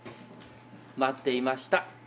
待っていました。